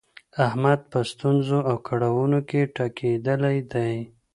احمد په ستونزو او کړاونو کې ټکېدلی دی.